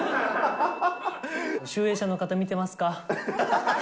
集英社の方、見てますか。